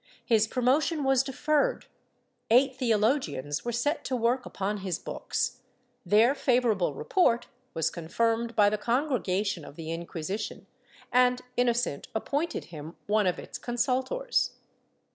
His promotion was deferred; eight theologians were set to work upon his books; their favorable report was confirmed by the Congregation of the Inquisition, and Innocent appointed him one of its consultors.